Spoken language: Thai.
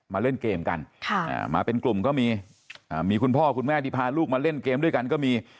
มาเล่นเกมกันมาเป็นกลุ่มก็มีมีคุณพ่อคุณแม่ที่พาลูกมาเล่นเกมด้วยกันก็มี